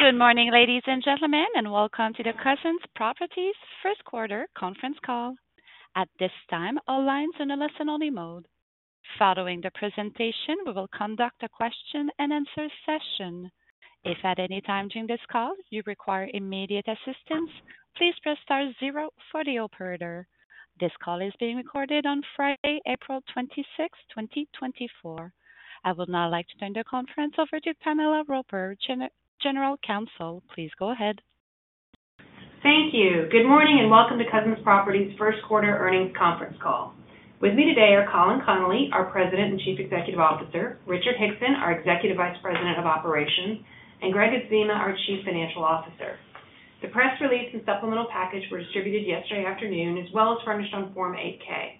Good morning, ladies and gentlemen, and welcome to the Cousins Properties first quarter conference call. At this time, all lines in a listen-only mode. Following the presentation, we will conduct a question-and-answer session. If at any time during this call you require immediate assistance, please press star zero for the operator. This call is being recorded on Friday, April 26, 2024. I would now like to turn the conference over to Pamela Roper, General Counsel. Please go ahead. Thank you. Good morning, and welcome to Cousins Properties first quarter earnings conference call. With me today are Colin Connolly, our President and Chief Executive Officer, Richard Hickson, our Executive Vice President of Operations, and Gregg Adzema, our Chief Financial Officer. The press release and supplemental package were distributed yesterday afternoon, as well as furnished on Form 8-K.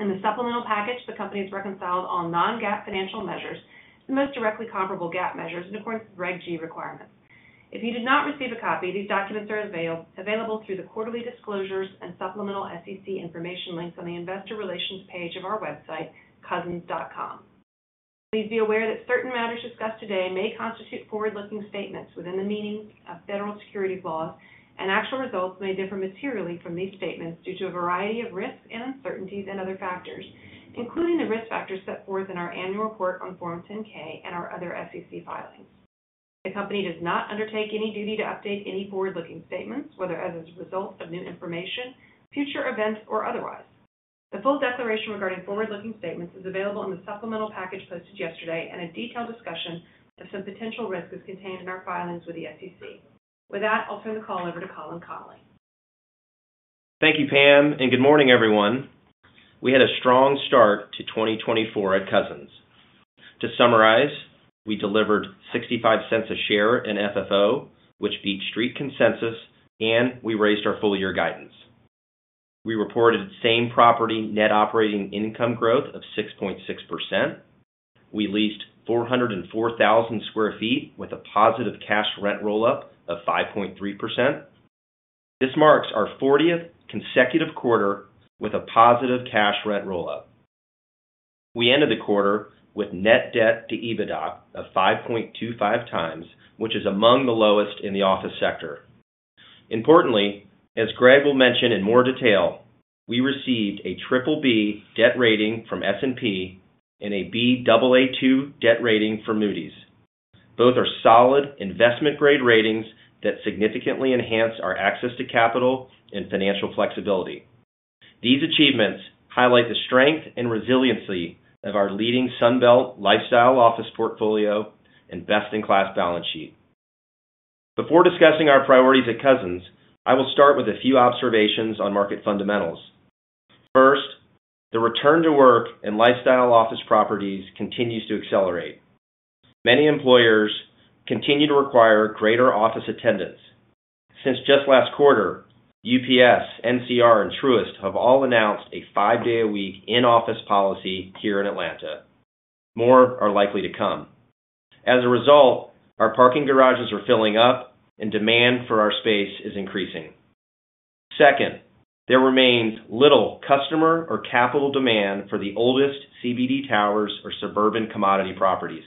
In the supplemental package, the company has reconciled all non-GAAP financial measures to the most directly comparable GAAP measures in accordance with Reg G requirements. If you did not receive a copy, these documents are available through the quarterly disclosures and supplemental SEC information links on the investor relations page of our website, cousins.com. Please be aware that certain matters discussed today may constitute forward-looking statements within the meaning of federal securities laws, and actual results may differ materially from these statements due to a variety of risks and uncertainties and other factors, including the risk factors set forth in our annual report on Form 10-K and our other SEC filings. The company does not undertake any duty to update any forward-looking statements, whether as a result of new information, future events, or otherwise. The full declaration regarding forward-looking statements is available in the supplemental package posted yesterday, and a detailed discussion of some potential risks is contained in our filings with the SEC. With that, I'll turn the call over to Colin Connolly. Thank you, Pam, and good morning, everyone. We had a strong start to 2024 at Cousins. To summarize, we delivered $0.65 per share in FFO, which beat Street consensus, and we raised our full year guidance. We reported same-property net operating income growth of 6.6%. We leased 404,000 sq ft with a positive cash rent roll-up of 5.3%. This marks our 40th consecutive quarter with a positive cash rent roll-up. We ended the quarter with net debt to EBITDA of 5.25x, which is among the lowest in the office sector. Importantly, as Gregg will mention in more detail, we received a BBB debt rating from S&P and a Baa2 debt rating from Moody's. Both are solid investment-grade ratings that significantly enhance our access to capital and financial flexibility. These achievements highlight the strength and resiliency of our leading Sun Belt lifestyle office portfolio and best-in-class balance sheet. Before discussing our priorities at Cousins, I will start with a few observations on market fundamentals. First, the return to work and lifestyle office properties continues to accelerate. Many employers continue to require greater office attendance. Since just last quarter, UPS, NCR, and Truist have all announced a five-day-a-week in-office policy here in Atlanta. More are likely to come. As a result, our parking garages are filling up and demand for our space is increasing. Second, there remains little customer or capital demand for the oldest CBD towers or suburban commodity properties.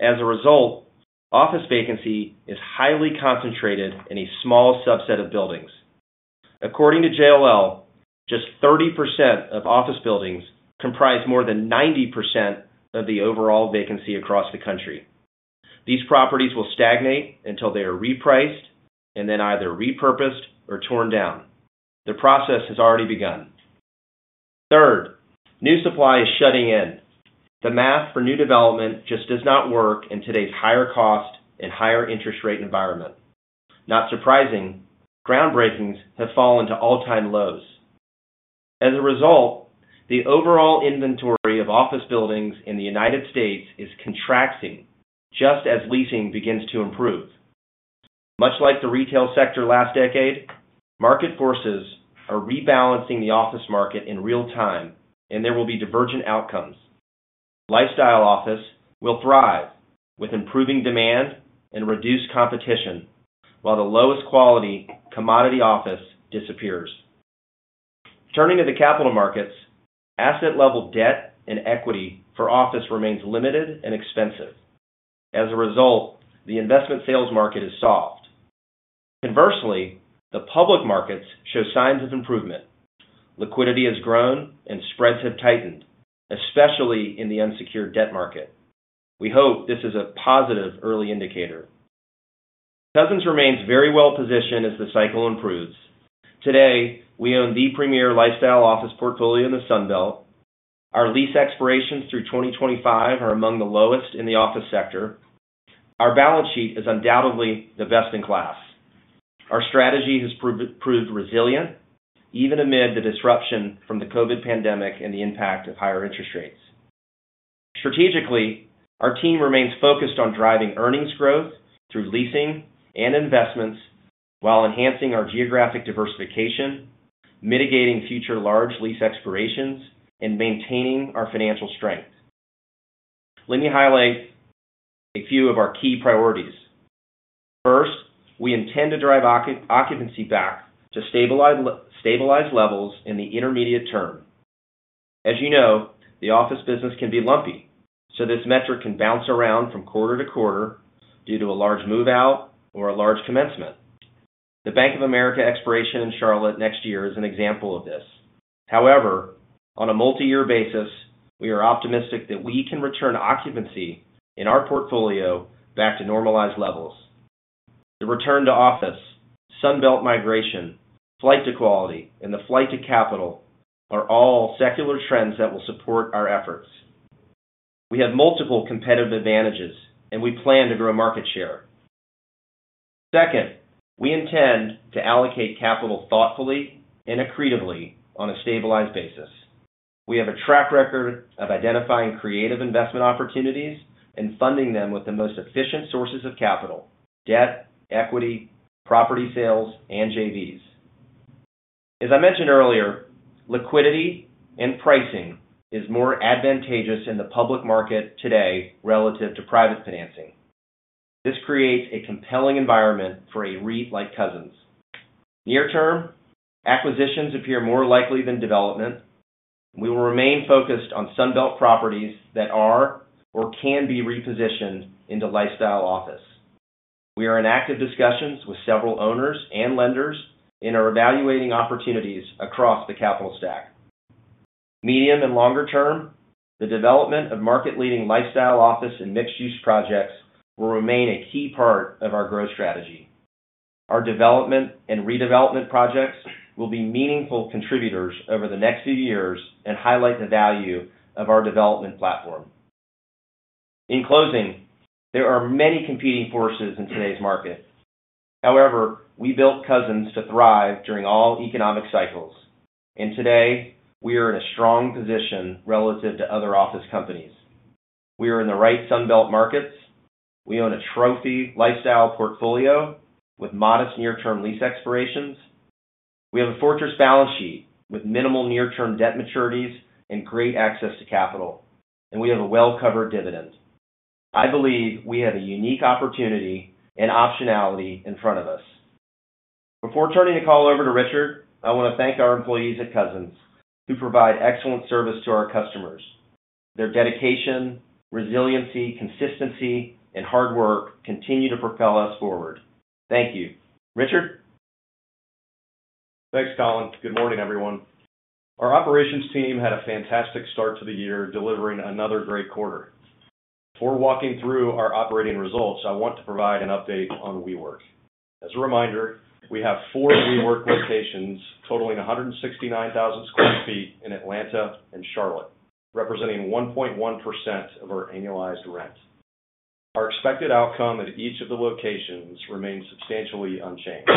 As a result, office vacancy is highly concentrated in a small subset of buildings. According to JLL, just 30% of office buildings comprise more than 90% of the overall vacancy across the country. These properties will stagnate until they are repriced and then either repurposed or torn down. The process has already begun. Third, new supply is shutting in. The math for new development just does not work in today's higher cost and higher interest rate environment. Not surprising, groundbreakings have fallen to all-time lows. As a result, the overall inventory of office buildings in the United States is contracting, just as leasing begins to improve. Much like the retail sector last decade, market forces are rebalancing the office market in real time, and there will be divergent outcomes. Lifestyle office will thrive with improving demand and reduced competition, while the lowest quality commodity office disappears. Turning to the capital markets, asset level debt and equity for office remains limited and expensive. As a result, the investment sales market is soft. Conversely, the public markets show signs of improvement. Liquidity has grown and spreads have tightened, especially in the unsecured debt market. We hope this is a positive early indicator. Cousins remains very well positioned as the cycle improves. Today, we own the premier lifestyle office portfolio in the Sun Belt. Our lease expirations through 2025 are among the lowest in the office sector. Our balance sheet is undoubtedly the best in class. Our strategy has proved resilient, even amid the disruption from the COVID pandemic and the impact of higher interest rates. Strategically, our team remains focused on driving earnings growth through leasing and investments while enhancing our geographic diversification, mitigating future large lease expirations, and maintaining our financial strength. Let me highlight a few of our key priorities. First, we intend to drive occupancy back to stabilized levels in the intermediate term. As you know, the office business can be lumpy, so this metric can bounce around from quarter to quarter due to a large move-out or a large commencement. The Bank of America expiration in Charlotte next year is an example of this. However, on a multi-year basis, we are optimistic that we can return occupancy in our portfolio back to normalized levels. The return to office, Sun Belt migration, flight to quality, and the flight to capital are all secular trends that will support our efforts. We have multiple competitive advantages, and we plan to grow market share. Second, we intend to allocate capital thoughtfully and accretively on a stabilized basis. We have a track record of identifying creative investment opportunities and funding them with the most efficient sources of capital: debt, equity, property sales, and JVs. As I mentioned earlier, liquidity and pricing is more advantageous in the public market today relative to private financing. This creates a compelling environment for a REIT like Cousins. Near term, acquisitions appear more likely than development. We will remain focused on Sun Belt properties that are or can be repositioned into lifestyle office. We are in active discussions with several owners and lenders, and are evaluating opportunities across the capital stack. Medium and longer term, the development of market-leading lifestyle office and mixed-use projects will remain a key part of our growth strategy. Our development and redevelopment projects will be meaningful contributors over the next few years and highlight the value of our development platform. In closing, there are many competing forces in today's market. However, we built Cousins to thrive during all economic cycles, and today, we are in a strong position relative to other office companies. We are in the right Sun Belt markets. We own a trophy lifestyle portfolio with modest near-term lease expirations. We have a fortress balance sheet with minimal near-term debt maturities and great access to capital, and we have a well-covered dividend. I believe we have a unique opportunity and optionality in front of us. Before turning the call over to Richard, I want to thank our employees at Cousins, who provide excellent service to our customers. Their dedication, resiliency, consistency, and hard work continue to propel us forward. Thank you. Richard? Thanks, Colin. Good morning, everyone. Our operations team had a fantastic start to the year, delivering another great quarter. Before walking through our operating results, I want to provide an update on WeWork. As a reminder, we have four WeWork locations totaling 169,000 sq ft in Atlanta and Charlotte, representing 1.1% of our annualized rent. Our expected outcome at each of the locations remains substantially unchanged.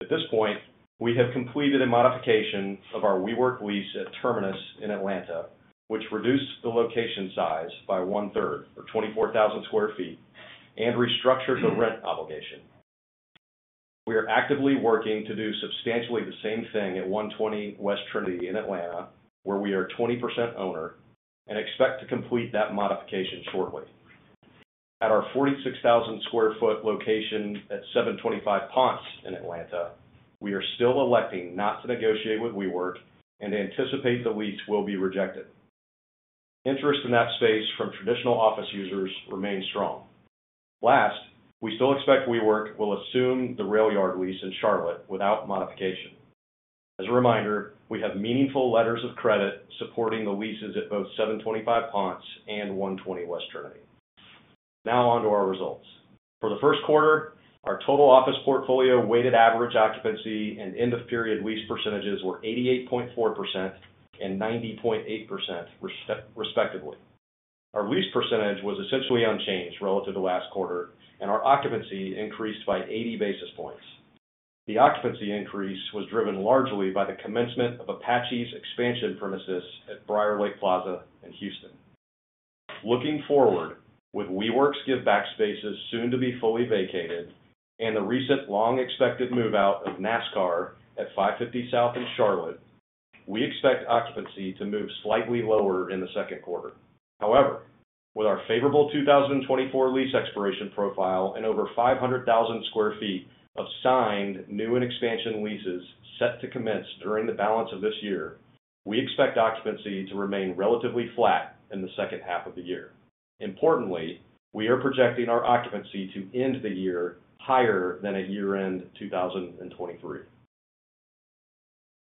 At this point, we have completed a modification of our WeWork lease at Terminus in Atlanta, which reduced the location size by 1/3, or 24,000 sq ft, and restructured the rent obligation. We are actively working to do substantially the same thing at 120 West Trinity in Atlanta, where we are 20% owner, and expect to complete that modification shortly. At our 46,000 sq ft location at 725 Ponce in Atlanta, we are still electing not to negotiate with WeWork and anticipate the lease will be rejected. Interest in that space from traditional office users remains strong. Last, we still expect WeWork will assume The RailYard lease in Charlotte without modification. As a reminder, we have meaningful letters of credit supporting the leases at both 725 Ponce and 120 West Trinity. Now on to our results. For the first quarter, our total office portfolio weighted average occupancy and end-of-period lease percentages were 88.4% and 90.8% respectively. Our lease percentage was essentially unchanged relative to last quarter, and our occupancy increased by 80 basis points. The occupancy increase was driven largely by the commencement of Apache's expansion premises at Briarlake Plaza in Houston. Looking forward, with WeWork's give back spaces soon to be fully vacated and the recent long-expected move-out of NASCAR at 550 South in Charlotte, we expect occupancy to move slightly lower in the second quarter. However, with our favorable 2024 lease expiration profile and over 500,000 sq ft of signed new and expansion leases set to commence during the balance of this year, we expect occupancy to remain relatively flat in the second half of the year. Importantly, we are projecting our occupancy to end the year higher than at year-end 2023.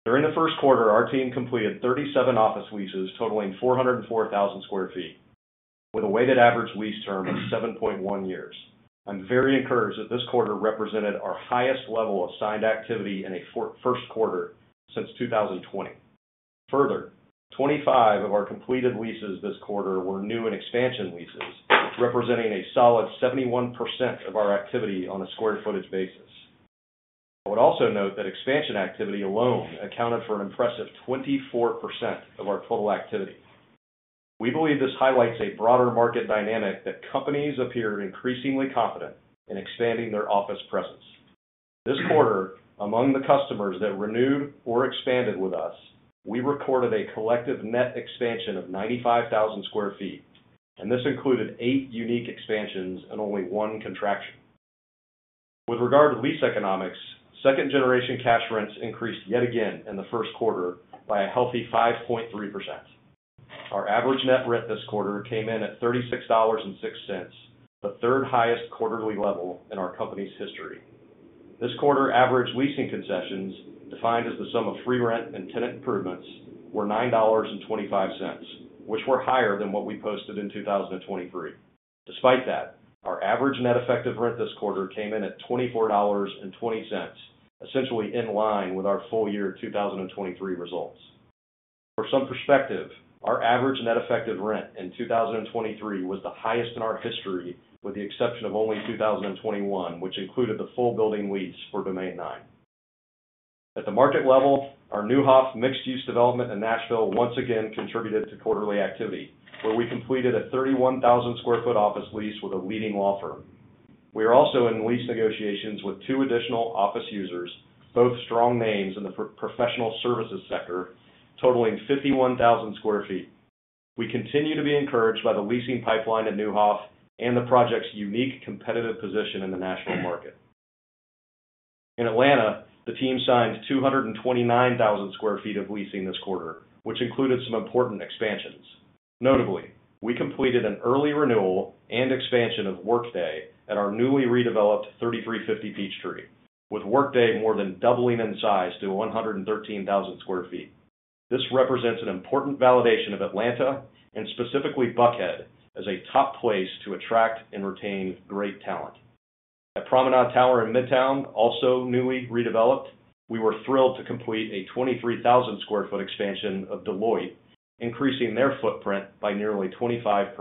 During the first quarter, our team completed 37 office leases totaling 404,000 sq ft, with a weighted average lease term of 7.1 years. I'm very encouraged that this quarter represented our highest level of signed activity in a first quarter since 2020. Further, 25 of our completed leases this quarter were new and expansion leases, representing a solid 71% of our activity on a square footage basis. I would also note that expansion activity alone accounted for an impressive 24% of our total activity. We believe this highlights a broader market dynamic that companies appear increasingly confident in expanding their office presence.... This quarter, among the customers that renewed or expanded with us, we recorded a collective net expansion of 95,000 sq ft, and this included eight unique expansions and only one contraction. With regard to lease economics, second generation cash rents increased yet again in the first quarter by a healthy 5.3%. Our average net rent this quarter came in at $36.06, the third highest quarterly level in our company's history. This quarter, average leasing concessions, defined as the sum of free rent and tenant improvements, were $9.25, which were higher than what we posted in 2023. Despite that, our average net effective rent this quarter came in at $24.20, essentially in line with our full year 2023 results. For some perspective, our average net effective rent in 2023 was the highest in our history, with the exception of only 2021, which included the full building lease for Domain 9. At the market level, our Neuhoff mixed-use development in Nashville once again contributed to quarterly activity, where we completed a 31,000 sq ft office lease with a leading law firm. We are also in lease negotiations with two additional office users, both strong names in the professional services sector, totaling 51,000 sq ft. We continue to be encouraged by the leasing pipeline at Neuhoff and the project's unique competitive position in the national market. In Atlanta, the team signed 229,000 sq ft of leasing this quarter, which included some important expansions. Notably, we completed an early renewal and expansion of Workday at our newly redeveloped 3350 Peachtree, with Workday more than doubling in size to 113,000 sq ft. This represents an important validation of Atlanta, and specifically Buckhead, as a top place to attract and retain great talent. At Promenade Tower in Midtown, also newly redeveloped, we were thrilled to complete a 23,000 sq ft expansion of Deloitte, increasing their footprint by nearly 25%.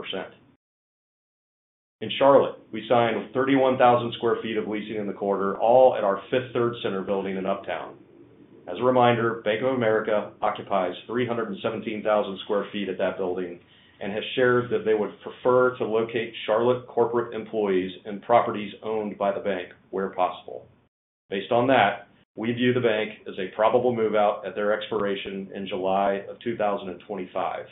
In Charlotte, we signed a 31,000 sq ft of leasing in the quarter, all at our Fifth Third Center building in Uptown. As a reminder, Bank of America occupies 317,000 sq ft at that building and has shared that they would prefer to locate Charlotte corporate employees in properties owned by the bank where possible. Based on that, we view the bank as a probable move-out at their expiration in July of 2025.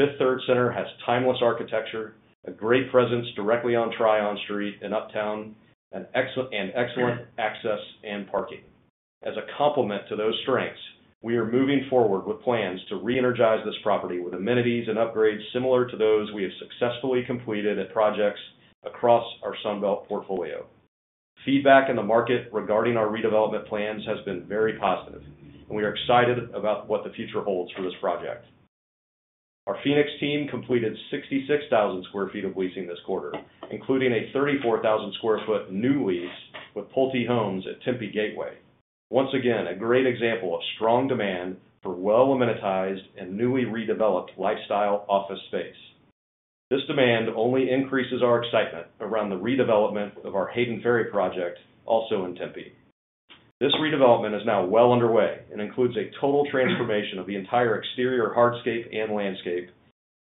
Fifth Third Center has timeless architecture, a great presence directly on Tryon Street in Uptown, and excellent access and parking. As a complement to those strengths, we are moving forward with plans to reenergize this property with amenities and upgrades similar to those we have successfully completed at projects across our Sun Belt portfolio. Feedback in the market regarding our redevelopment plans has been very positive, and we are excited about what the future holds for this project. Our Phoenix team completed 66,000 sq ft of leasing this quarter, including a 34,000 sq ft new lease with Pulte Homes at Tempe Gateway. Once again, a great example of strong demand for well-amenitized and newly redeveloped lifestyle office space. This demand only increases our excitement around the redevelopment of our Hayden Ferry project, also in Tempe. This redevelopment is now well underway and includes a total transformation of the entire exterior hardscape and landscape,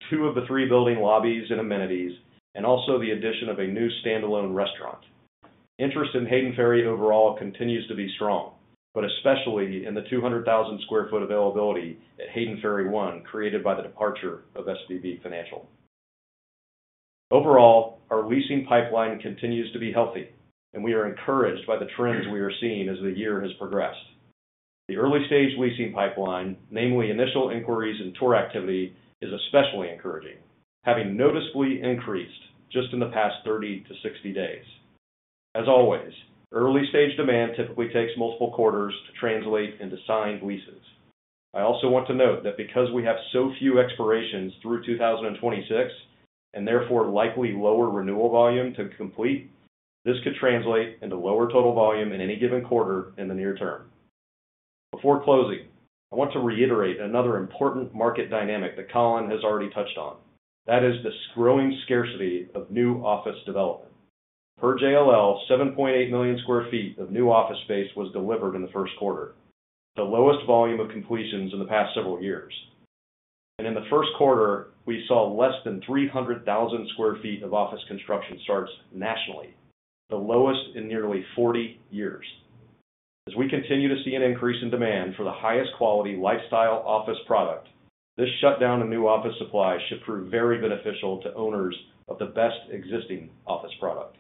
two of the three building lobbies and amenities, and also the addition of a new standalone restaurant. Interest in Hayden Ferry overall continues to be strong, but especially in the 200,000 sq ft availability at Hayden Ferry One, created by the departure of SVB Financial. Overall, our leasing pipeline continues to be healthy, and we are encouraged by the trends we are seeing as the year has progressed. The early-stage leasing pipeline, namely initial inquiries and tour activity, is especially encouraging, having noticeably increased just in the past 30-60 days. As always, early-stage demand typically takes multiple quarters to translate into signed leases. I also want to note that because we have so few expirations through 2026, and therefore likely lower renewal volume to complete, this could translate into lower total volume in any given quarter in the near term. Before closing, I want to reiterate another important market dynamic that Colin has already touched on. That is this growing scarcity of new office development. Per JLL, 7.8 million sq ft of new office space was delivered in the first quarter, the lowest volume of completions in the past several years. In the first quarter, we saw less than 300,000 sq ft of office construction starts nationally, the lowest in nearly 40 years. As we continue to see an increase in demand for the highest quality lifestyle office product, this shutdown in new office supply should prove very beneficial to owners of the best existing office product.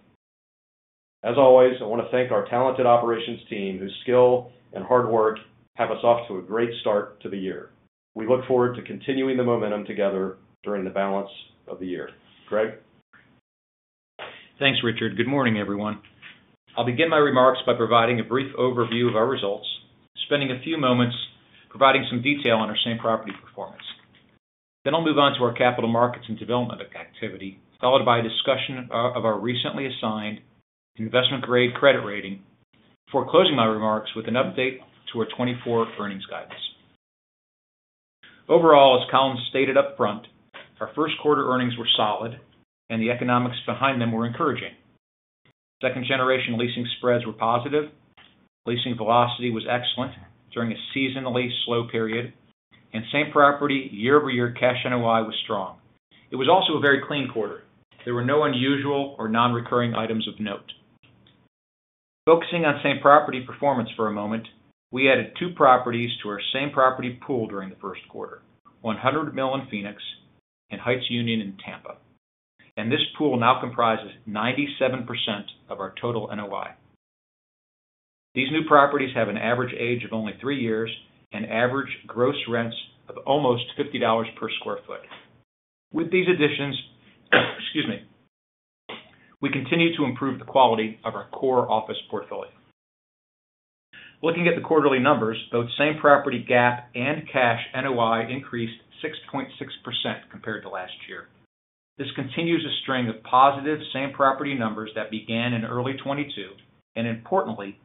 As always, I want to thank our talented operations team, whose skill and hard work have us off to a great start to the year. We look forward to continuing the momentum together during the balance of the year. Gregg? Thanks, Richard. Good morning, everyone. I'll begin my remarks by providing a brief overview of our results, spending a few moments providing some detail on our same-property performance. Then I'll move on to our capital markets and development activity, followed by a discussion of our recently assigned investment-grade credit rating, before closing my remarks with an update to our 2024 earnings guidance. Overall, as Colin stated up front, our first quarter earnings were solid and the economics behind them were encouraging. Second generation leasing spreads were positive. Leasing velocity was excellent during a seasonally slow period, and same-property year-over-year cash NOI was strong. It was also a very clean quarter. There were no unusual or non-recurring items of note. Focusing on same-property performance for a moment, we added 2 properties to our same-property pool during the first quarter, 100 Mill in Phoenix and Heights Union in Tampa, and this pool now comprises 97% of our total NOI. These new properties have an average age of only three years and average gross rents of almost $50 per sq ft. With these additions, excuse me, we continue to improve the quality of our core office portfolio. Looking at the quarterly numbers, both same-property GAAP and cash NOI increased 6.6% compared to last year. This continues a string of positive same-property numbers that began in early 2022, and importantly,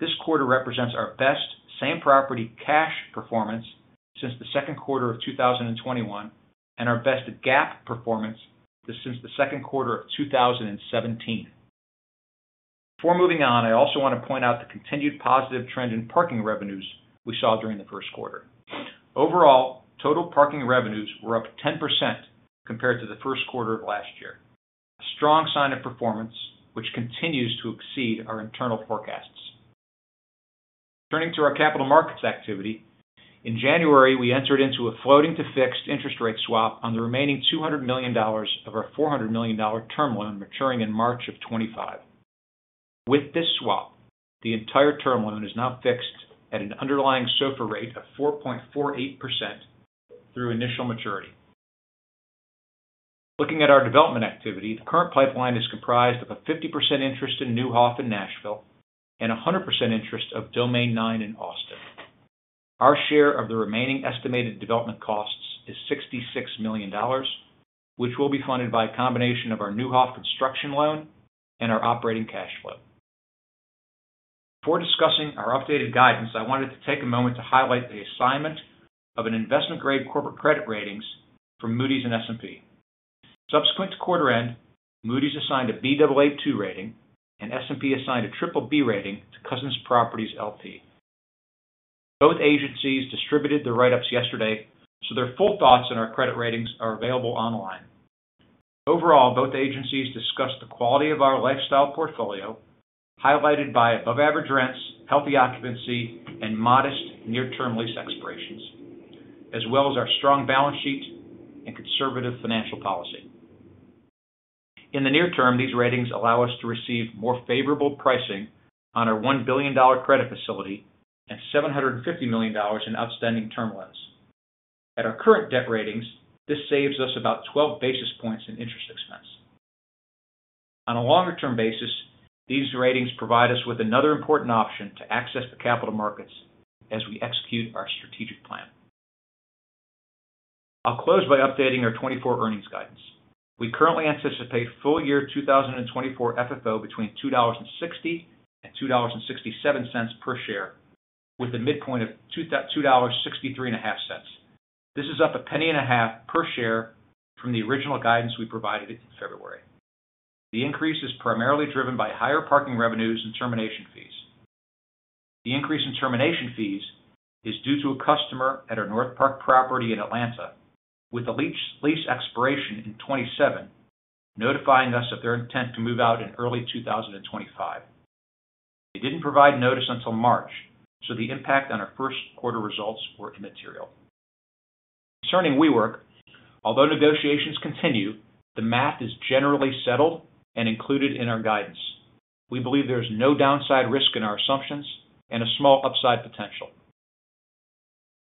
this quarter represents our best same-property cash performance since the second quarter of 2021, and our best GAAP performance since the second quarter of 2017. Before moving on, I also want to point out the continued positive trend in parking revenues we saw during the first quarter. Overall, total parking revenues were up 10% compared to the first quarter of last year. A strong sign of performance, which continues to exceed our internal forecasts. Turning to our capital markets activity, in January, we entered into a floating to fixed interest rate swap on the remaining $200 million of our $400 million term loan, maturing in March 2025. With this swap, the entire term loan is now fixed at an underlying SOFR rate of 4.48% through initial maturity. Looking at our development activity, the current pipeline is comprised of a 50% interest in Neuhoff in Nashville and a 100% interest of Domain 9 in Austin. Our share of the remaining estimated development costs is $66 million, which will be funded by a combination of our Neuhoff construction loan and our operating cash flow. Before discussing our updated guidance, I wanted to take a moment to highlight the assignment of an investment-grade corporate credit ratings from Moody's and S&P. Subsequent to quarter end, Moody's assigned a Baa2 rating, and S&P assigned a BBB rating to Cousins Properties LP. Both agencies distributed their write-ups yesterday, so their full thoughts on our credit ratings are available online. Overall, both agencies discussed the quality of our lifestyle portfolio, highlighted by above-average rents, healthy occupancy, and modest near-term lease expirations, as well as our strong balance sheet and conservative financial policy. In the near term, these ratings allow us to receive more favorable pricing on our $1 billion credit facility and $750 million in outstanding term loans. At our current debt ratings, this saves us about 12 basis points in interest expense. On a longer-term basis, these ratings provide us with another important option to access the capital markets as we execute our strategic plan. I'll close by updating our 2024 earnings guidance. We currently anticipate full year 2024 FFO between $2.60 and $2.67 per share, with a midpoint of $2.635. This is up $0.015 per share from the original guidance we provided in February. The increase is primarily driven by higher parking revenues and termination fees. The increase in termination fees is due to a customer at our Northpark property in Atlanta, with the lease expiration in 2027, notifying us of their intent to move out in early 2025. They didn't provide notice until March, so the impact on our first quarter results were immaterial. Concerning WeWork, although negotiations continue, the math is generally settled and included in our guidance. We believe there is no downside risk in our assumptions and a small upside potential.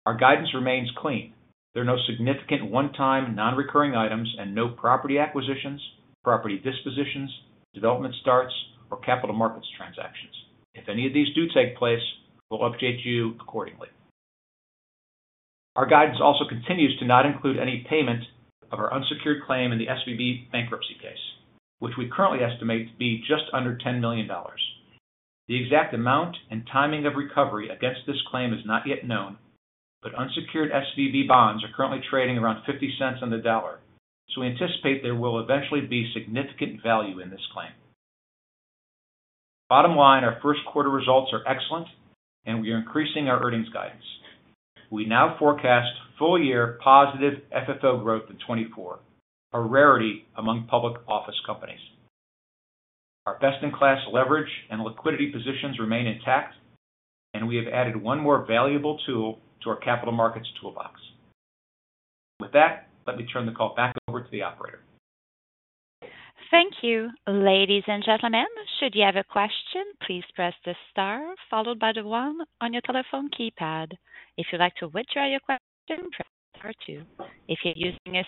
Our guidance remains clean. There are no significant one-time, non-recurring items and no property acquisitions, property dispositions, development starts, or capital markets transactions. If any of these do take place, we'll update you accordingly. Our guidance also continues to not include any payment of our unsecured claim in the SVB bankruptcy case, which we currently estimate to be just under $10 million. The exact amount and timing of recovery against this claim is not yet known, but unsecured SVB bonds are currently trading around $0.50 on the dollar, so we anticipate there will eventually be significant value in this claim. Bottom line, our first quarter results are excellent, and we are increasing our earnings guidance. We now forecast full-year positive FFO growth in 2024, a rarity among public office companies. Our best-in-class leverage and liquidity positions remain intact, and we have added one more valuable tool to our capital markets toolbox. With that, let me turn the call back over to the operator. Thank you. Ladies and gentlemen, should you have a question, please press the star followed by the one on your telephone keypad. If you'd like to withdraw your question, press star two. If you're using a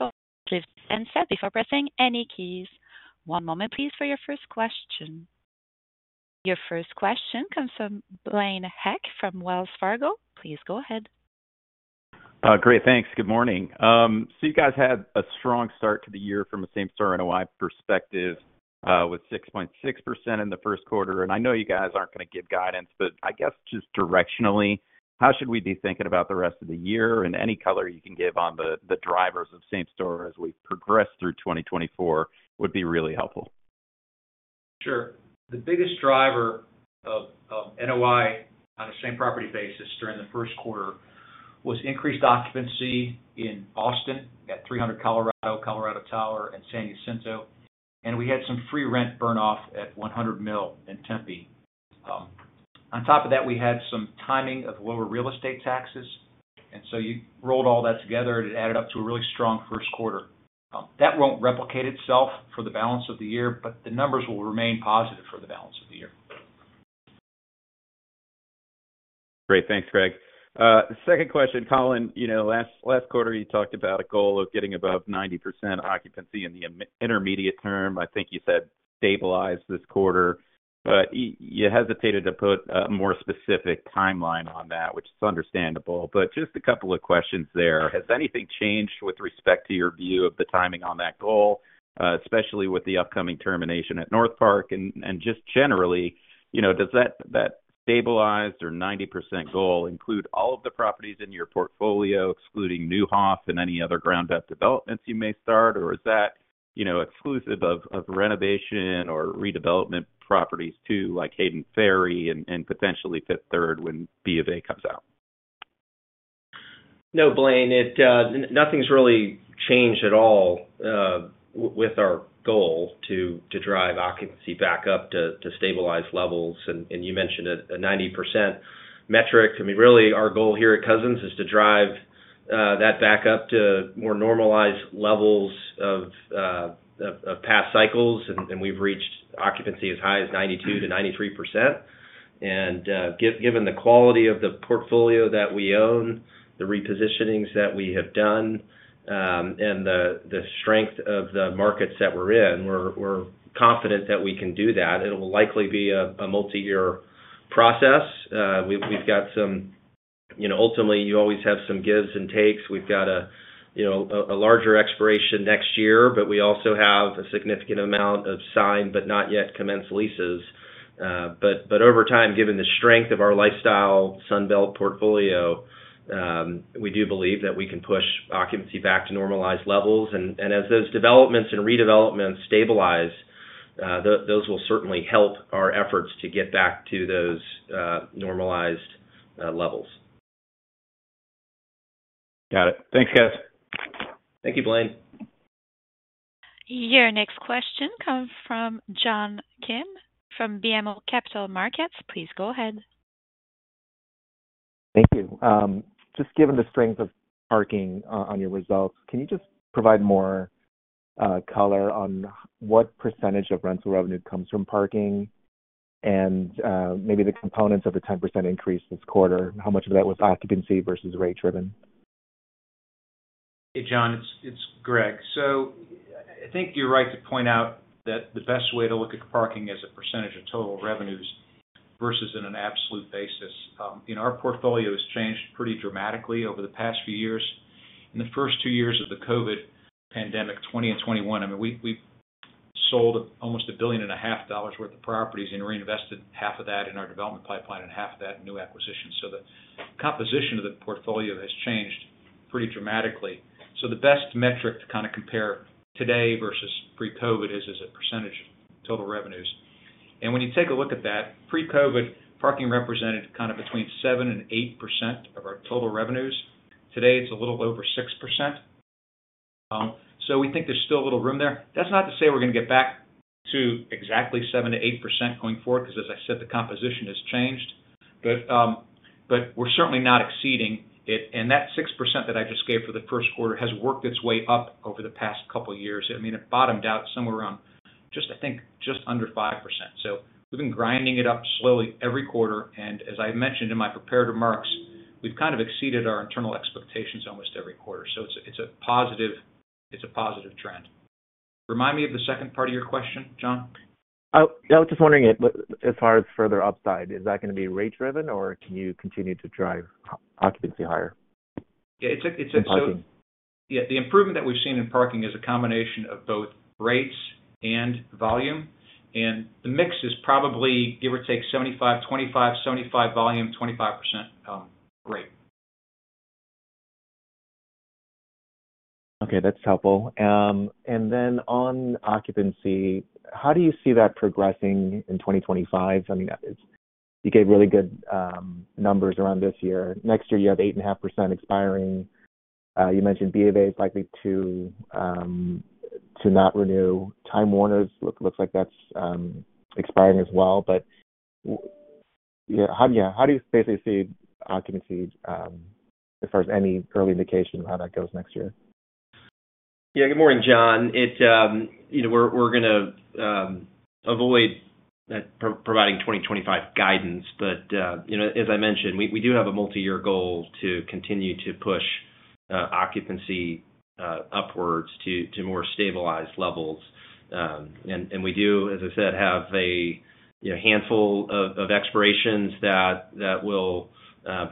cellphone, please listen before pressing any keys. One moment, please, for your first question. Your first question comes from Blaine Heck, from Wells Fargo. Please go ahead. Great, thanks. Good morning. So you guys had a strong start to the year from a same-store NOI perspective, with 6.6% in the first quarter. And I know you guys aren't gonna give guidance, but I guess just directionally, how should we be thinking about the rest of the year? And any color you can give on the, the drivers of same store as we progress through 2024 would be really helpful. Sure. The biggest driver of NOI on a same-property basis during the first quarter was increased occupancy in Austin at 300 Colorado, Colorado Tower, and San Jacinto, and we had some free rent burn off at 100 Mill in Tempe. On top of that, we had some timing of lower real estate taxes, and so you rolled all that together, and it added up to a really strong first quarter. That won't replicate itself for the balance of the year, but the numbers will remain positive for the balance of the year. Great. Thanks, Gregg. The second question, Colin, you know, last quarter, you talked about a goal of getting above 90% occupancy in the intermediate term. I think you said stabilize this quarter, but you hesitated to put a more specific timeline on that, which is understandable. But just a couple of questions there: Has anything changed with respect to your view of the timing on that goal, especially with the upcoming termination at Northpark? And just generally, you know, does that stabilized or 90% goal include all of the properties in your portfolio, excluding Neuhoff and any other ground-up developments you may start? Or is that, you know, exclusive of renovation or redevelopment properties, too, like Hayden Ferry and potentially Fifth Third, when BofA comes out? No, Blaine, it... Nothing's really changed at all, with our goal to drive occupancy back up to stabilize levels. And you mentioned a 90% metric. I mean, really, our goal here at Cousins is to drive that back up to more normalized levels of past cycles, and we've reached occupancy as high as 92%-93%. Given the quality of the portfolio that we own, the repositioning's that we have done, and the strength of the markets that we're in, we're confident that we can do that. It'll likely be a multi-year process. We've got some... You know, ultimately, you always have some gives and takes. We've got a, you know, larger expiration next year, but we also have a significant amount of signed, but not yet commenced leases. But over time, given the strength of our lifestyle Sun Belt portfolio, we do believe that we can push occupancy back to normalized levels. And as those developments and redevelopments stabilize, those will certainly help our efforts to get back to those normalized levels. Got it. Thanks, guys. Thank you, Blaine. Your next question comes from John Kim from BMO Capital Markets. Please go ahead. Thank you. Just given the strength of parking on your results, can you just provide more color on what percentage of rental revenue comes from parking? Maybe the components of the 10% increase this quarter, how much of that was occupancy versus rate driven? Hey, John, it's Gregg. So I think you're right to point out that the best way to look at parking is a percentage of total revenues versus in an absolute basis. And our portfolio has changed pretty dramatically over the past few years. In the first two years of the COVID pandemic, 2020 and 2021, I mean, we sold almost $1.5 billion worth of properties and reinvested half of that in our development pipeline and half of that in new acquisitions. So the composition of the portfolio has changed pretty dramatically. So the best metric to kind of compare today versus pre-COVID is a percentage of total revenues. And when you take a look at that, pre-COVID, parking represented kind of between 7% and 8% of our total revenues. Today, it's a little over 6%. So we think there's still a little room there. That's not to say we're going to get back to exactly 7%-8% going forward, because, as I said, the composition has changed. But, but we're certainly not exceeding it. And that 6% that I just gave for the first quarter has worked its way up over the past couple of years. I mean, it bottomed out somewhere around just, I think, just under 5%. So we've been grinding it up slowly every quarter, and as I mentioned in my prepared remarks, we've kind of exceeded our internal expectations almost every quarter. So it's a, it's a positive, it's a positive trend. Remind me of the second part of your question, John. I was just wondering if, as far as further upside, is that gonna be rate driven, or can you continue to drive occupancy higher? Yeah, it's a- - in parking? Yeah, the improvement that we've seen in parking is a combination of both rates and volume, and the mix is probably, give or take, 75-25: 75 volume, 25% rate. Okay, that's helpful. And then on occupancy, how do you see that progressing in 2025? I mean, that is... You gave really good numbers around this year. Next year, you have 8.5% expiring. You mentioned B of A is likely to not renew. Time Warner's looks like that's expiring as well. But yeah, how do you basically see occupancy as far as any early indication of how that goes next year? Yeah. Good morning, John. It's, you know, we're gonna avoid providing 2025 guidance, but, you know, as I mentioned, we do have a multi-year goal to continue to push occupancy upwards to more stabilized levels. And we do, as I said, have a, you know, handful of expirations that will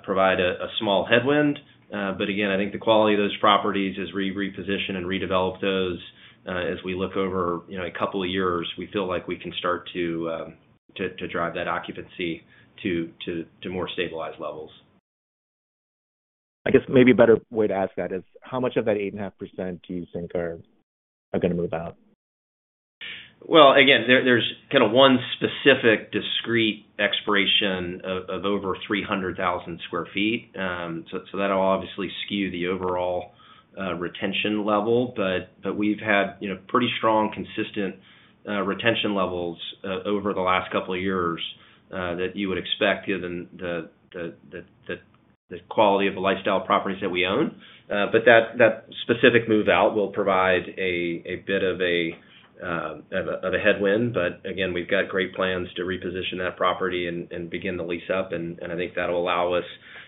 provide a small headwind. But again, I think the quality of those properties as we reposition and redevelop those, as we look over, you know, a couple of years, we feel like we can start to drive that occupancy to more stabilized levels. ... I guess maybe a better way to ask that is, how much of that 8.5% do you think are gonna move out? Well, again, there, there's kind of one specific discrete expiration of over 300,000 sq ft. So that'll obviously skew the overall retention level. But we've had, you know, pretty strong, consistent retention levels over the last couple of years that you would expect given the quality of the lifestyle properties that we own. But that specific move out will provide a bit of a headwind. But again, we've got great plans to reposition that property and begin the lease up. And I think that'll allow us,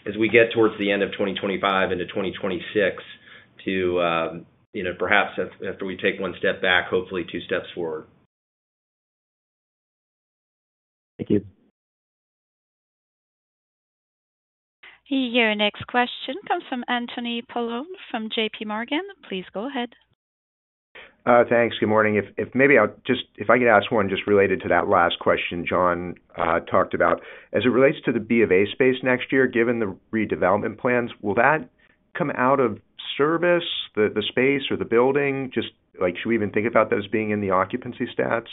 as we get towards the end of 2025 into 2026, to, you know, perhaps after we take one step back, hopefully two steps forward. Thank you. Your next question comes from Anthony Paolone from JPMorgan. Please go ahead. Thanks. Good morning. If I could ask one just related to that last question John talked about. As it relates to the BofA space next year, given the redevelopment plans, will that come out of service, the space or the building? Just like, should we even think about those being in the occupancy stats?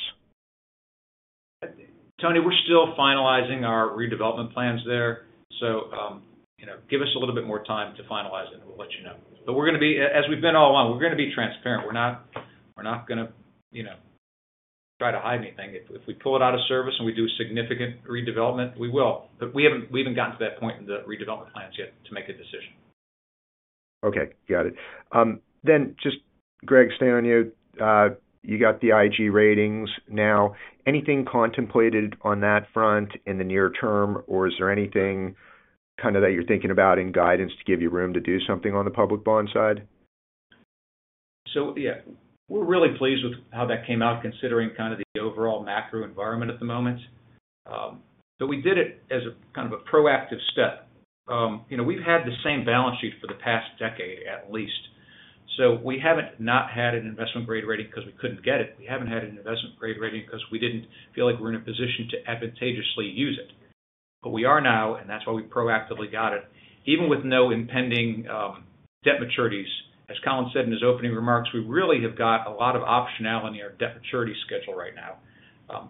Tony, we're still finalizing our redevelopment plans there. So, you know, give us a little bit more time to finalize it, and we'll let you know. But we're gonna be as we've been all along, we're gonna be transparent. We're not, we're not gonna, you know, try to hide anything. If, if we pull it out of service and we do a significant redevelopment, we will. But we haven't, we haven't gotten to that point in the redevelopment plans yet to make a decision. Okay, got it. Then just, Gregg, staying on you. You got the IG ratings now, anything contemplated on that front in the near term, or is there anything kind of that you're thinking about in guidance to give you room to do something on the public bond side? So, yeah, we're really pleased with how that came out, considering kind of the overall macro environment at the moment. But we did it as a kind of a proactive step. You know, we've had the same balance sheet for the past decade at least, so we haven't not had an investment-grade rating because we couldn't get it. We haven't had an investment-grade rating because we didn't feel like we're in a position to advantageously use it. But we are now, and that's why we proactively got it. Even with no impending debt maturities, as Colin said in his opening remarks, we really have got a lot of optionality in our debt maturity schedule right now.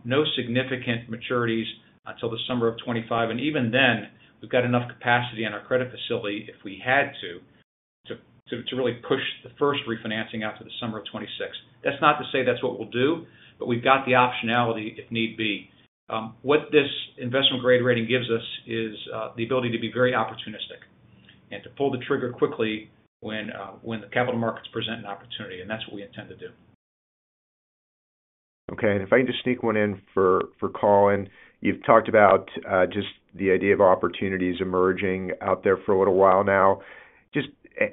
No significant maturities until the summer of 2025, and even then, we've got enough capacity in our credit facility if we had to really push the first refinancing out to the summer of 2026. That's not to say that's what we'll do, but we've got the optionality if need be. What this investment-grade rating gives us is the ability to be very opportunistic and to pull the trigger quickly when the capital markets present an opportunity, and that's what we intend to do. Okay. And if I can just sneak one in for, for Colin. You've talked about just the idea of opportunities emerging out there for a little while now. Just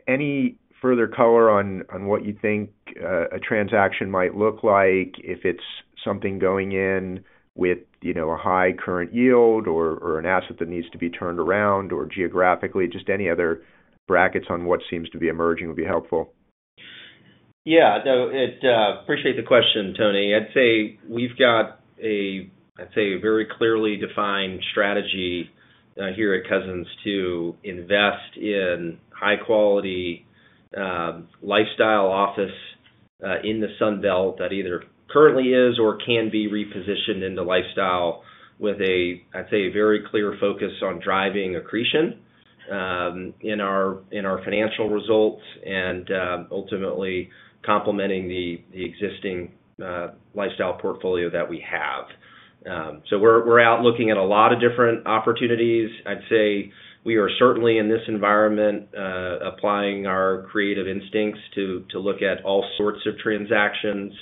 any further color on, on what you think a transaction might look like if it's something going in with, you know, a high current yield or, or an asset that needs to be turned around or geographically? Just any other brackets on what seems to be emerging would be helpful. Yeah. No, appreciate the question, Tony. I'd say we've got a, I'd say, a very clearly defined strategy, here at Cousins to invest in high quality, lifestyle office, in the Sun Belt that either currently is or can be repositioned into lifestyle with a, I'd say, a very clear focus on driving accretion, in our financial results and, ultimately complementing the existing, lifestyle portfolio that we have. So we're out looking at a lot of different opportunities. I'd say we are certainly, in this environment, applying our creative instincts to look at all sorts of transactions,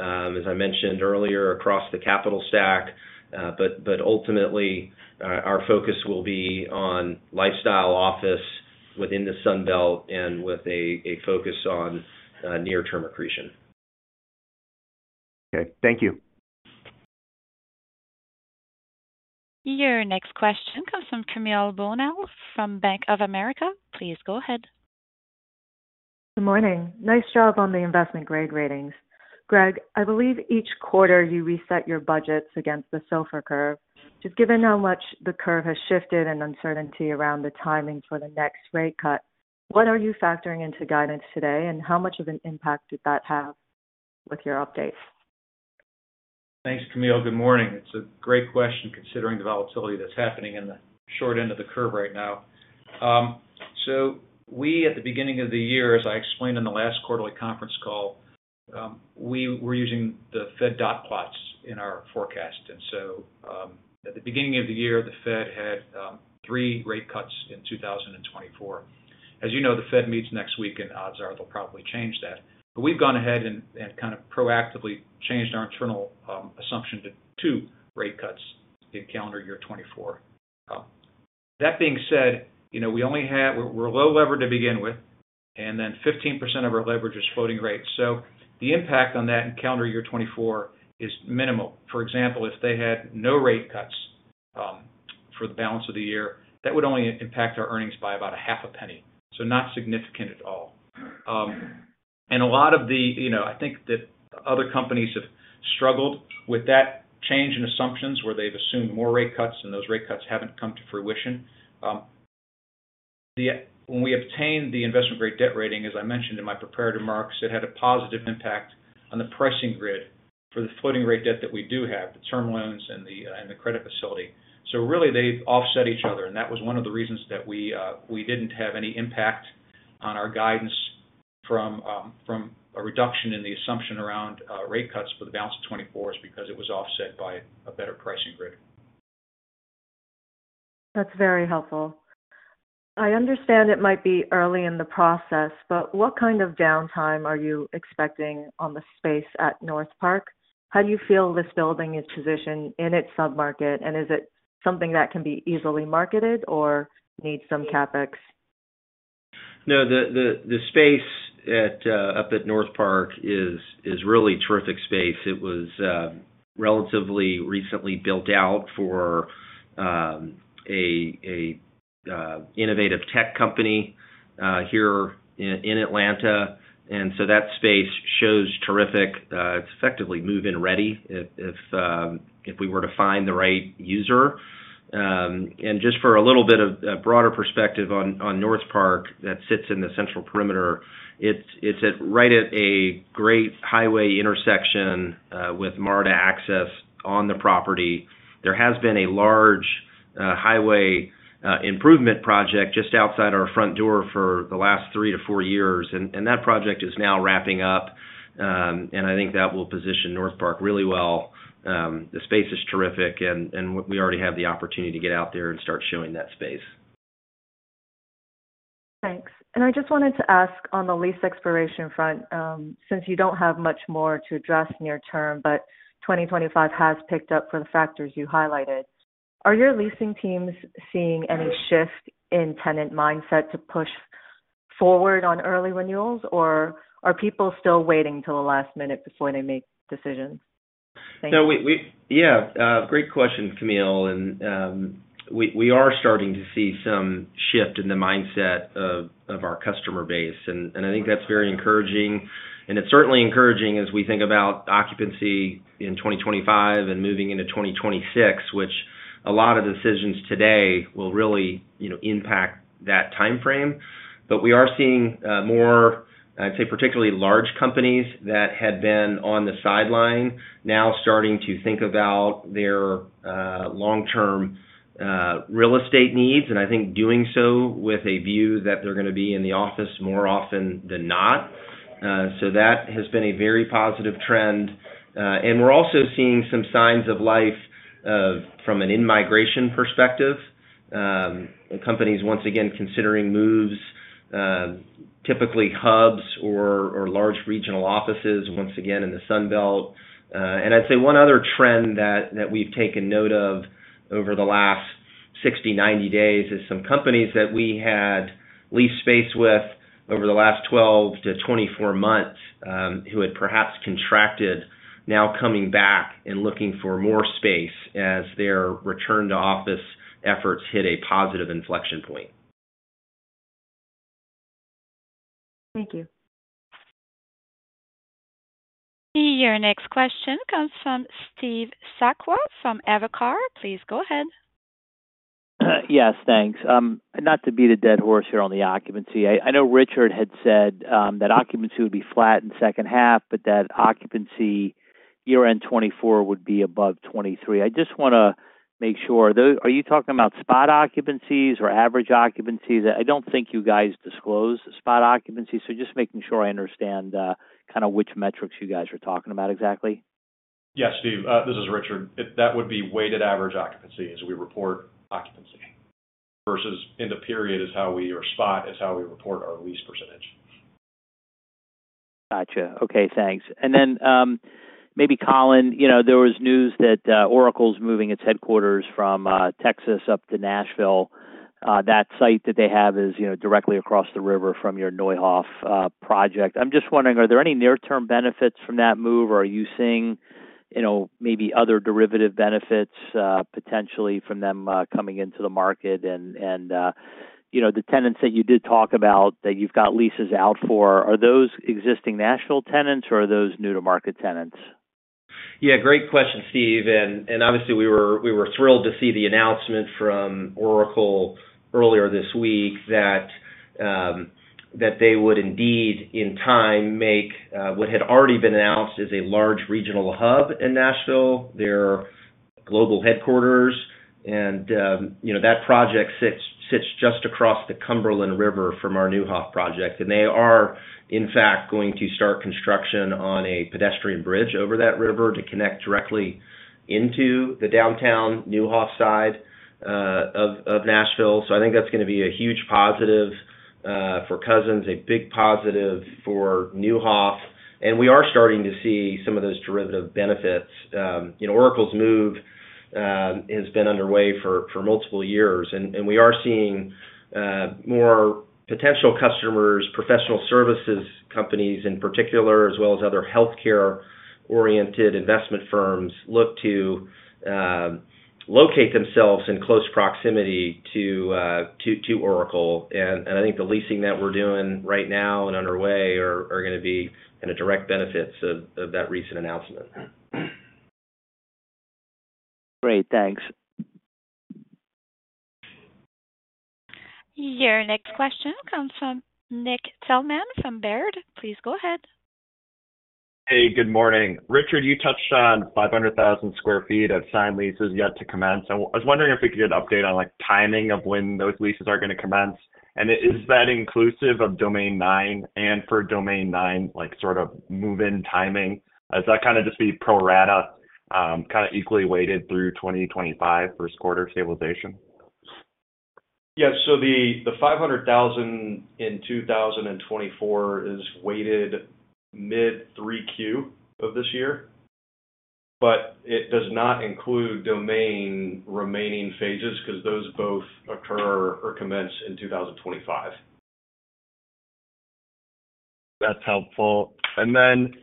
as I mentioned earlier, across the capital stack. But ultimately, our focus will be on lifestyle office within the Sun Belt and with a focus on near-term accretion. Okay, thank you. Your next question comes from Camille Bonnel from Bank of America. Please go ahead. Good morning. Nice job on the investment-grade ratings. Gregg, I believe each quarter you reset your budgets against the SOFR curve. Just given how much the curve has shifted and uncertainty around the timing for the next rate cut, what are you factoring into guidance today, and how much of an impact did that have with your updates? Thanks, Camille. Good morning. It's a great question, considering the volatility that's happening in the short end of the curve right now. So we, at the beginning of the year, as I explained in the last quarterly conference call, we were using the Fed dot plots in our forecast. And so, at the beginning of the year, the Fed had three rate cuts in 2024. As you know, the Fed meets next week, and odds are they'll probably change that. But we've gone ahead and kind of proactively changed our internal assumption to two rate cuts in calendar year 2024. That being said, you know, we're low leverage to begin with, and then 15% of our leverage is floating rate. So the impact on that in calendar year 2024 is minimal. For example, if they had no rate cuts, for the balance of the year, that would only impact our earnings by about $0.005, so not significant at all.... And a lot of the, you know, I think that other companies have struggled with that change in assumptions, where they've assumed more rate cuts and those rate cuts haven't come to fruition. The, when we obtained the investment-grade debt rating, as I mentioned in my prepared remarks, it had a positive impact on the pricing grid for the floating rate debt that we do have, the term loans and the credit facility. So really, they offset each other, and that was one of the reasons that we didn't have any impact on our guidance from a reduction in the assumption around rate cuts for the balance of 2024, is because it was offset by a better pricing grid. That's very helpful. I understand it might be early in the process, but what kind of downtime are you expecting on the space at Northpark? How do you feel this building is positioned in its submarket, and is it something that can be easily marketed or needs some CapEx? No, the space up at Northpark is really terrific space. It was relatively recently built out for a innovative tech company here in Atlanta, and so that space shows terrific, it's effectively move-in ready, if we were to find the right user. And just for a little bit of broader perspective on Northpark, that sits in the Central Perimeter. It's right at a great highway intersection with MARTA access on the property. There has been a large highway improvement project just outside our front door for the last three, four years, and that project is now wrapping up. And I think that will position Northpark really well. The space is terrific, and we already have the opportunity to get out there and start showing that space. Thanks. And I just wanted to ask on the lease expiration front, since you don't have much more to address near term, but 2025 has picked up for the factors you highlighted. Are your leasing teams seeing any shift in tenant mindset to push forward on early renewals? Or are people still waiting till the last minute before they make decisions? Thank you. So yeah, great question, Camille, and we are starting to see some shift in the mindset of our customer base, and I think that's very encouraging, and it's certainly encouraging as we think about occupancy in 2025 and moving into 2026, which a lot of decisions today will really, you know, impact that timeframe. But we are seeing more, I'd say, particularly large companies that had been on the sideline, now starting to think about their long-term real estate needs, and I think doing so with a view that they're gonna be in the office more often than not. So that has been a very positive trend. And we're also seeing some signs of life from an in-migration perspective. Companies once again considering moves, typically hubs or large regional offices, once again in the Sun Belt. I'd say one other trend that we've taken note of over the last 60-90 days, is some companies that we had leased space with over the last 12-24 months, who had perhaps contracted, now coming back and looking for more space as their return to office efforts hit a positive inflection point. Thank you. Your next question comes from Steve Sakwa from Evercore. Please go ahead. Yes, thanks. Not to beat a dead horse here on the occupancy. I know Richard had said that occupancy would be flat in second half, but that occupancy year-end 2024 would be above 2023. I just wanna make sure, though, are you talking about spot occupancies or average occupancies? I don't think you guys disclose spot occupancy, so just making sure I understand kind of which metrics you guys are talking about exactly? Yes, Steve, this is Richard. That would be weighted average occupancy, as we report occupancy, versus end of period, or spot, is how we report our lease percentage. Gotcha. Okay, thanks. And then, maybe Colin, you know, there was news that Oracle's moving its headquarters from Texas up to Nashville. That site that they have is, you know, directly across the river from your Neuhoff project. I'm just wondering, are there any near-term benefits from that move, or are you seeing, you know, maybe other derivative benefits potentially from them coming into the market? And you know, the tenants that you did talk about, that you've got leases out for, are those existing Nashville tenants, or are those new to market tenants? Yeah, great question, Steve. And obviously, we were thrilled to see the announcement from Oracle earlier this week that they would indeed, in time, make what had already been announced as a large regional hub in Nashville their global headquarters. And you know, that project sits just across the Cumberland River from our Neuhoff project, and they are, in fact, going to start construction on a pedestrian bridge over that river to connect directly into the downtown Neuhoff side of Nashville. So I think that's gonna be a huge positive for Cousins, a big positive for Neuhoff, and we are starting to see some of those derivative benefits. You know, Oracle's move has been underway for multiple years, and we are seeing more potential customers, professional services companies in particular, as well as other healthcare-oriented investment firms look to locate themselves in close proximity to Oracle. And I think the leasing that we're doing right now and underway are gonna be kind of direct benefits of that recent announcement. Great, thanks. Your next question comes from Nick Thillman from Baird. Please go ahead. Hey, good morning. Richard, you touched on 500,000 sq ft of signed leases yet to commence. I was wondering if we could get an update on, like, timing of when those leases are gonna commence. Is that inclusive of Domain 9? And for Domain 9, like, sort of move-in timing, does that kind of just be pro rata, kind of equally weighted through 2025 first quarter stabilization? Yeah. So the 500,000 in 2024 is weighted mid 3Q of this year, but it does not include Domain remaining phases, 'cause those both occur or commence in 2025. That's helpful. And then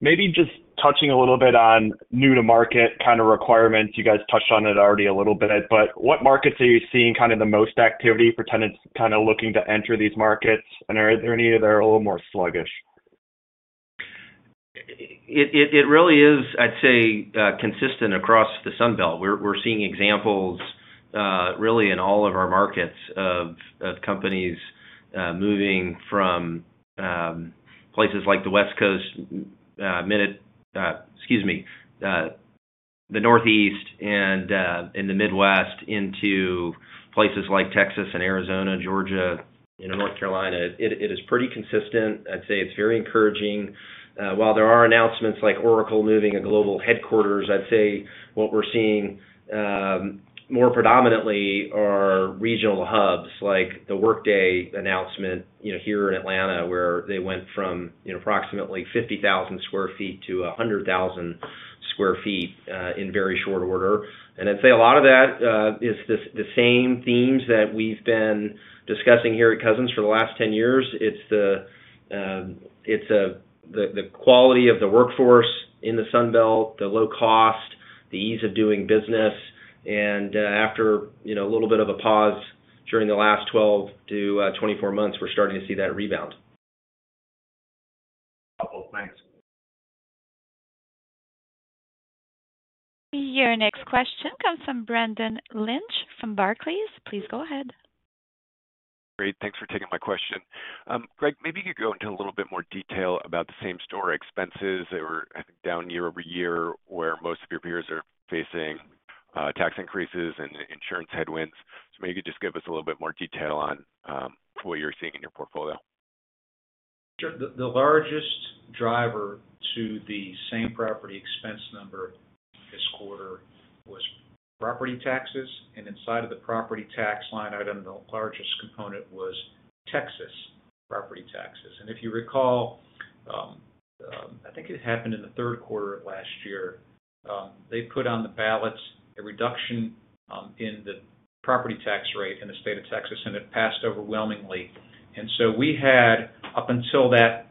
maybe just touching a little bit on new to market kind of requirements. You guys touched on it already a little bit, but what markets are you seeing kind of the most activity for tenants kind of looking to enter these markets? And are any of them a little more sluggish? It really is, I'd say, consistent across the Sun Belt. We're seeing examples, really in all of our markets of companies, moving from places like the West Coast, the Northeast and the Midwest into places like Texas and Arizona, Georgia, and North Carolina. It is pretty consistent. I'd say it's very encouraging. While there are announcements like Oracle moving a global headquarters, I'd say what we're seeing, more predominantly are regional hubs, like the Workday announcement, you know, here in Atlanta, where they went from approximately 50,000 sq ft to 100,000 sq ft, in very short order. And I'd say a lot of that is the same themes that we've been discussing here at Cousins for the last 10 years. It's the quality of the workforce in the Sun Belt, the low cost, the ease of doing business. After you know, a little bit of a pause during the last 12-24 months, we're starting to see that rebound. Thanks. Your next question comes from Brendan Lynch from Barclays. Please go ahead. Great. Thanks for taking my question. Gregg, maybe you could go into a little bit more detail about the same store expenses that were, I think, down year-over-year, where most of your peers are facing tax increases and insurance headwinds. So maybe you could just give us a little bit more detail on what you're seeing in your portfolio. Sure. The largest driver to the same property expense number this quarter was property taxes, and inside of the property tax line item, the largest component was Texas property taxes. And if you recall, I think it happened in the third quarter of last year, they put on the ballots a reduction in the property tax rate in the state of Texas, and it passed overwhelmingly. And so we had, up until that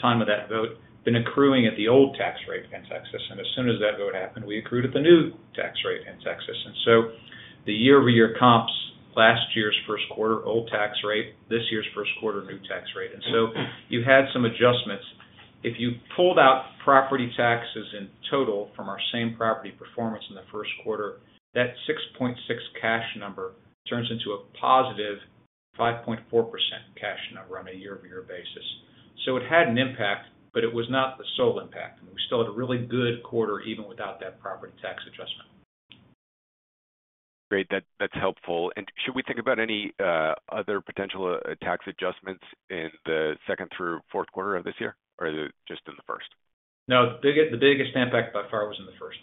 time of that vote, been accruing at the old tax rate in Texas, and as soon as that vote happened, we accrued at the new tax rate in Texas. And so the year-over-year comps, last year's first quarter, old tax rate, this year's first quarter, new tax rate. And so you had some adjustments. If you pulled out property taxes in total from our same property performance in the first quarter, that 6.6 cash number turns into a positive 5.4% cash number on a year-over-year basis. So it had an impact, but it was not the sole impact, and we still had a really good quarter even without that property tax adjustment. Great. That, that's helpful. And should we think about any other potential tax adjustments in the second through fourth quarter of this year, or is it just in the first? No, the biggest impact by far was in the first.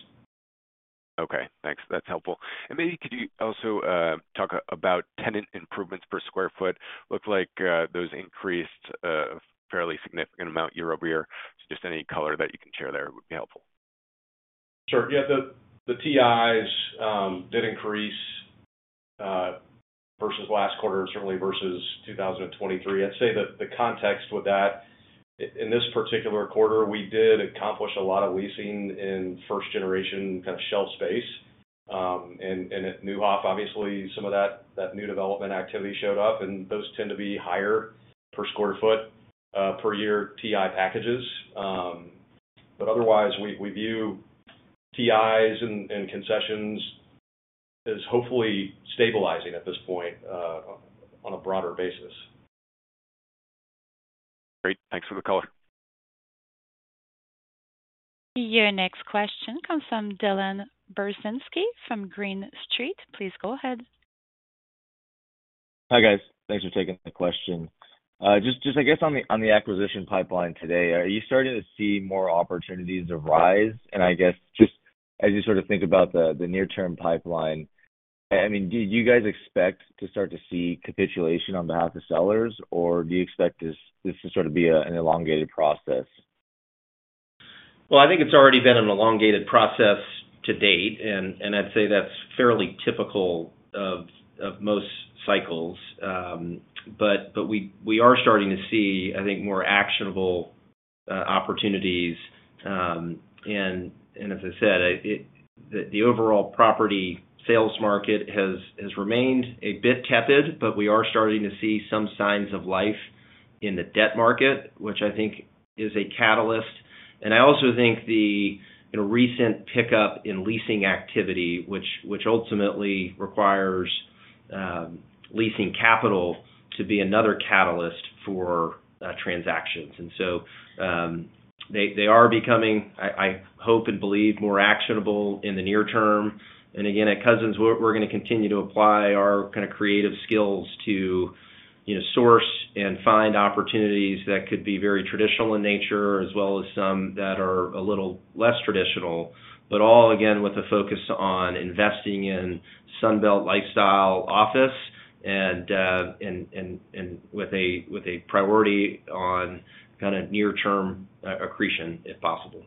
Okay, thanks. That's helpful. And maybe could you also talk about tenant improvements per square foot? Looks like those increased a fairly significant amount year over year. So just any color that you can share there would be helpful. Sure. Yeah, the TIs did increase versus last quarter and certainly versus 2023. I'd say that the context with that, in this particular quarter, we did accomplish a lot of leasing in first-generation kind of shell space. And at Neuhoff, obviously some of that new development activity showed up, and those tend to be higher per square foot per year TI packages. But otherwise, we view TIs and concessions as hopefully stabilizing at this point on a broader basis. Great. Thanks for the color. Your next question comes from Dylan Burzinski from Green Street. Please go ahead. Hi, guys. Thanks for taking the question. Just, just I guess on the acquisition pipeline today, are you starting to see more opportunities arise? And I guess, just as you sort of think about the near-term pipeline, I mean, do you guys expect to start to see capitulation on behalf of sellers? Or do you expect this to sort of be an elongated process? Well, I think it's already been an elongated process to date, and I'd say that's fairly typical of most cycles. But we are starting to see, I think, more actionable opportunities. And as I said, the overall property sales market has remained a bit tepid, but we are starting to see some signs of life in the debt market, which I think is a catalyst. And I also think the, you know, recent pickup in leasing activity, which ultimately requires leasing capital to be another catalyst for transactions. And so, they are becoming, I hope and believe, more actionable in the near term. And again, at Cousins, we're gonna continue to apply our kinda creative skills to, you know, source and find opportunities that could be very traditional in nature, as well as some that are a little less traditional. But all, again, with a focus on investing in Sun Belt lifestyle office and with a priority on kinda near-term accretion, if possible.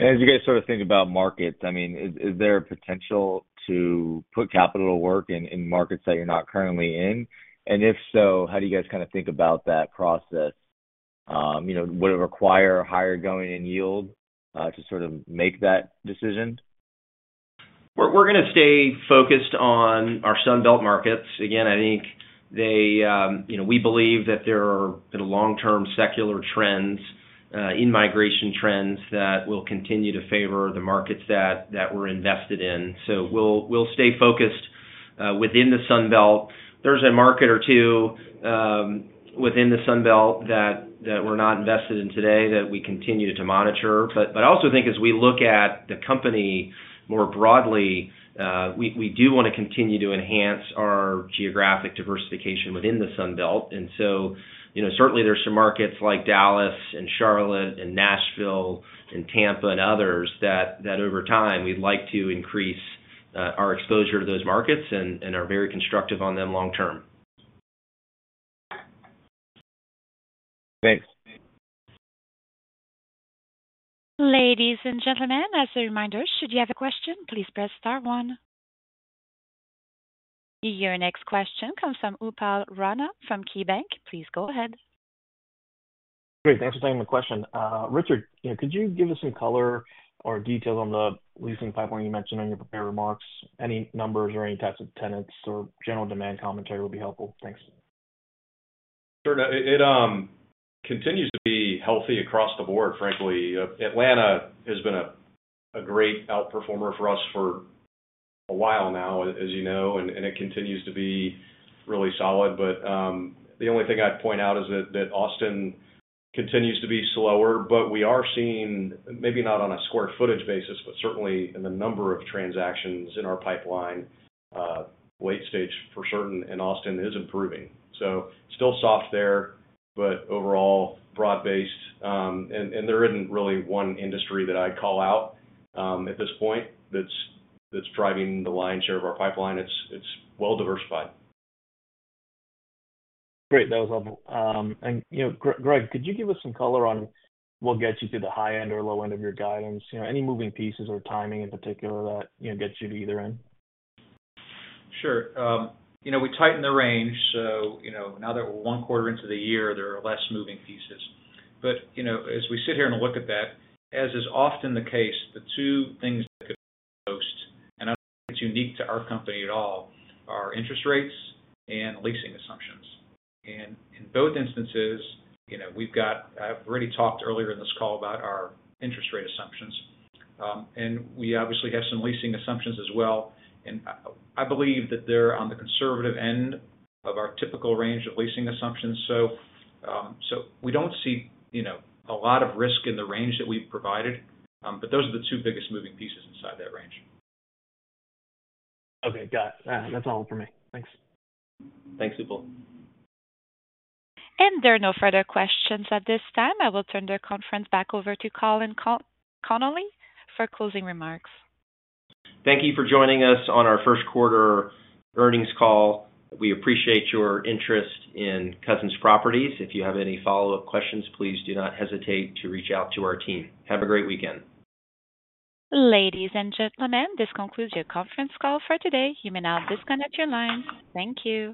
As you guys sort of think about markets, I mean, is there a potential to put capital to work in markets that you're not currently in? And if so, how do you guys kinda think about that process? You know, would it require a higher going-in yield to sort of make that decision? We're gonna stay focused on our Sun Belt markets. Again, I think they, you know, we believe that there are been long-term secular trends in migration trends that will continue to favor the markets that we're invested in. So we'll stay focused within the Sun Belt. There's a market or two within the Sun Belt that we're not invested in today that we continue to monitor. But I also think as we look at the company more broadly, we do wanna continue to enhance our geographic diversification within the Sun Belt. And so, you know, certainly there's some markets like Dallas and Charlotte and Nashville and Tampa and others that over time we'd like to increase our exposure to those markets and are very constructive on them long term. Thanks. Ladies and gentlemen, as a reminder, should you have a question, please press star one. Your next question comes from Upal Rana from KeyBanc. Please go ahead. Great. Thanks for taking the question. Richard, you know, could you give us some color or details on the leasing pipeline you mentioned in your prepared remarks? Any numbers or any types of tenants or general demand commentary will be helpful. Thanks. Sure. It continues to be healthy across the board, frankly. Atlanta has been a great outperformer for us for a while now, as you know, and it continues to be really solid. But, the only thing I'd point out is that Austin continues to be slower, but we are seeing, maybe not on a square footage basis, but certainly in the number of transactions in our pipeline, late stage for certain, and Austin is improving. So still soft there, but overall broad-based. And there isn't really one industry that I'd call out, at this point, that's driving the lion's share of our pipeline. It's well diversified. Great. That was helpful. You know, Gregg, could you give us some color on what gets you to the high end or low end of your guidance? You know, any moving pieces or timing in particular that, you know, gets you to either end? Sure. You know, we tightened the range, so, you know, now that we're one quarter into the year, there are less moving pieces. But, you know, as we sit here and look at that, as is often the case, the two things that could most, and I don't think it's unique to our company at all, are interest rates and leasing assumptions. And in both instances, you know, we've got... I've already talked earlier in this call about our interest rate assumptions, and we obviously have some leasing assumptions as well. And I, I believe that they're on the conservative end of our typical range of leasing assumptions. So, so we don't see, you know, a lot of risk in the range that we've provided, but those are the two biggest moving pieces inside that range. Okay, got it. That's all for me. Thanks. Thanks, Upal. There are no further questions at this time. I will turn the conference back over to Colin Connolly for closing remarks. Thank you for joining us on our first quarter earnings call. We appreciate your interest in Cousins Properties. If you have any follow-up questions, please do not hesitate to reach out to our team. Have a great weekend. Ladies and gentlemen, this concludes your conference call for today. You may now disconnect your lines. Thank you.